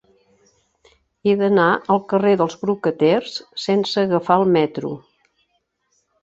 He d'anar al carrer dels Brocaters sense agafar el metro.